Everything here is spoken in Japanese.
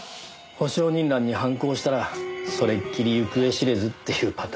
保証人欄にハンコを押したらそれっきり行方知れずっていうパターンです。